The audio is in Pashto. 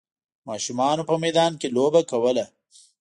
ماشومانو په میدان کې لوبه کوله.